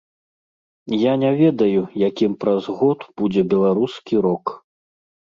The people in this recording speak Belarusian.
Я не ведаю, якім праз год будзе беларускі рок.